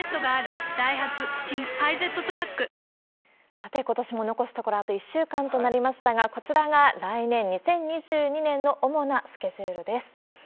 さて、ことしも残すところあと１週間となりましたが、こちらが来年２０２２年の主なスケジュールです。